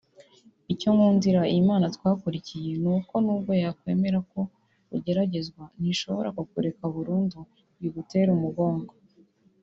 Icyo nkundira iyi Mana twakurikiye nuko nubwo yakwemera ko ugeragezwa ntishobora kukureka burundu ngo igutere umugongo